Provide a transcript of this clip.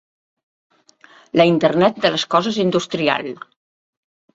La internet de les coses industrial.